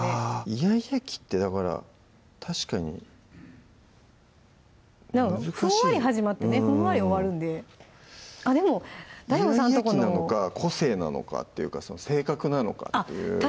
イヤイヤ期ってだから確かに難しいふんわり始まってねふんわり終わるんでイヤイヤ期なのか個性なのかっていうか性格なのかっていうあっ